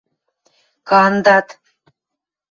— Кандат.